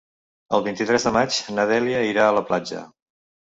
El vint-i-tres de maig na Dèlia irà a la platja.